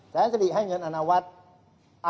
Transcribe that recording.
แสนสิริให้เงินอนวัฒน์